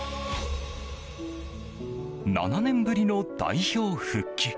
７年ぶりの代表復帰。